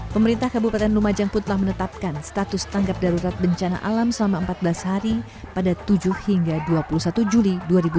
pemerintah kabupaten lumajang pun telah menetapkan status tanggap darurat bencana alam selama empat belas hari pada tujuh hingga dua puluh satu juli dua ribu dua puluh